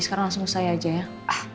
sekarang langsung saya aja ya